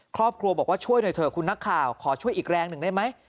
ครอบครัวบอกว่าช่วยหน่อยเถอะคุณนักข่าวขอช่วยอีกแรงหนึ่งได้ไหม